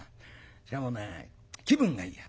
しかも気分がいいや。